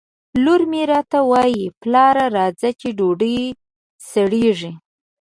لور مې راته وایي ! پلاره راځه چې ډوډۍ سړېږي